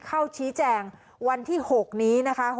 เข้าชี้แจงวันที่๖นี้นะคะ